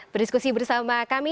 berdiskusi bersama kami